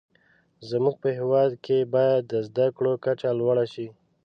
زموږ په هیواد کې باید د زده کړو کچه لوړه شې.